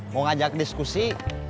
mau ngajak diskusi